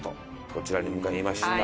こちらに向かいました。